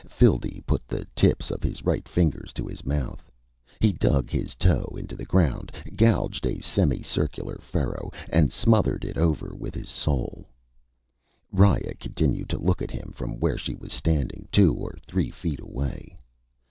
Phildee put the tips of his right fingers to his mouth. He dug his toe into the ground, gouged a semicircular furrow, and smoothed it over with his sole. Riya continued to look at him from where she was standing, two or three feet away.